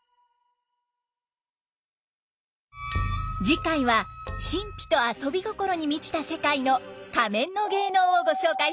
次回は神秘と遊び心に満ちた世界の仮面の芸能をご紹介します。